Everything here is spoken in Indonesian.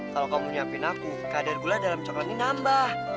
kalau kamu nyiapin aku kadar gula dalam coklat ini nambah